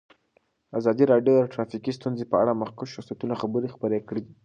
ازادي راډیو د ټرافیکي ستونزې په اړه د مخکښو شخصیتونو خبرې خپرې کړي.